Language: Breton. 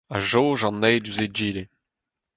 a jaoj an eil diouzh egile